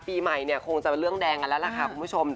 ปีใหม่เนี่ยคงจะเป็นเรื่องแดงกันแล้วล่ะค่ะคุณผู้ชม